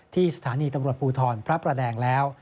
ที่สถานีตำรวจภูทรพระประแดงแล้ว